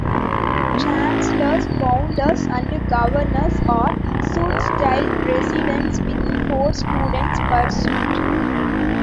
Chancellors, Founders, and Governors are suite-style residences with four students per suite.